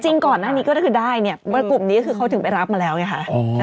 จริงก่อนหน้านี้ก็ได้สิว่ากลุ่มนี้เขาถึงไปรับมาแล้วไงค่ะ